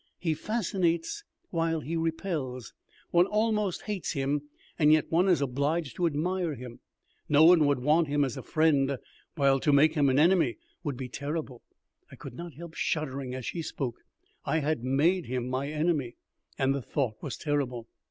"He fascinates while he repels. One almost hates him, and yet one is obliged to admire him. No one could want him as a friend, while to make him an enemy would be terrible." I could not help shuddering as she spoke. I had made him my enemy, and the thought was terrible.